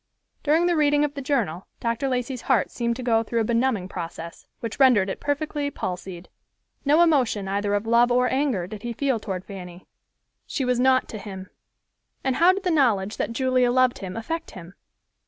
During the reading of the journal Dr. Lacey's heart seemed to go through a benumbing process, which rendered it perfectly palsied. No emotion either of love or anger did he feel toward Fanny. She was nought to him. And how did the knowledge that Julia loved him affect him?